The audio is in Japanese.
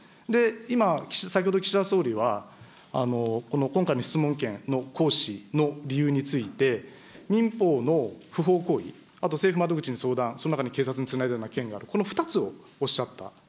今、先ほど岸田総理は、この今回の質問権の行使の理由について、民法の不法行為、あと政府窓口に相談、その中に警察につないだような件がある、この２つをおっしゃった。